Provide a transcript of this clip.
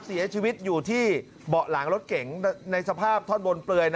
เสียชีวิตอยู่ที่เบาะหลังรถเก๋งในสภาพท่อนบนเปลือย